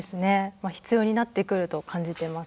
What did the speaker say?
まあ必要になってくると感じてます。